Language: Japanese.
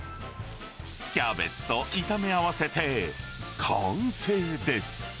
キャベツと炒め合わせて、完成です。